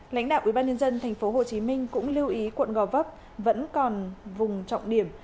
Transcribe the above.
lãnh đạo ủy ban nhân dân tp hcm cũng lưu ý quận gò vấp vẫn còn vùng trọng điểm